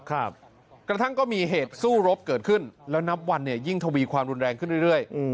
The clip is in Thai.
กระทั่งก็มีเหตุสู้รบเกิดขึ้นแล้วนับวันเนี่ยยิ่งทวีความรุนแรงขึ้นเรื่อย